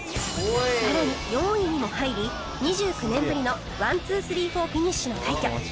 さらに４位にも入り２９年ぶりのワンツースリーフォーフィニッシュの快挙